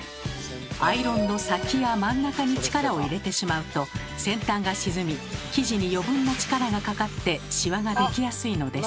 アイロンの先や真ん中に力を入れてしまうと先端が沈み生地に余分な力がかかってシワができやすいのです。